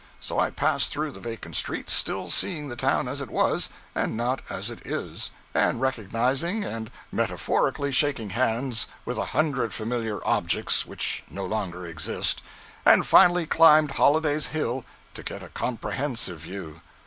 So I passed through the vacant streets, still seeing the town as it was, and not as it is, and recognizing and metaphorically shaking hands with a hundred familiar objects which no longer exist; and finally climbed Holiday's Hill to get a comprehensive view.